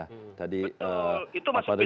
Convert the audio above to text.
betul itu masuk pidana mas